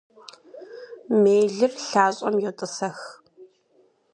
Мелыр лъащӀэм йотӀысэх.